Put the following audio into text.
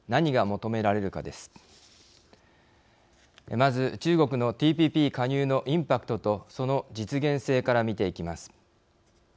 まず中国のＴＰＰ加入のインパクトとその実現性から見ていきます。